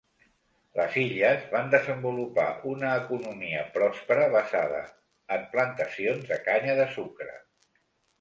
Les illes van desenvolupar una economia pròspera basada en plantacions de canya de sucre.